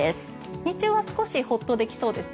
日中は少しホッとできそうですね。